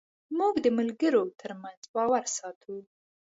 موږ د ملګرو تر منځ باور ساتو.